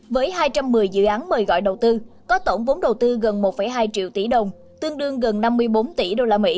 với hai trăm một mươi dự án mời gọi đầu tư có tổng vốn đầu tư gần một hai triệu tỷ đồng tương đương gần năm mươi bốn tỷ usd